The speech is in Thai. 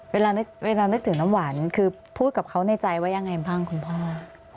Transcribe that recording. เวลานึกถึงน้ำหวานคือพูดกับเขาในใจว่ายังไงบ้างคุณพ่อ